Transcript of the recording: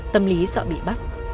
tâm lý sợ bị bắt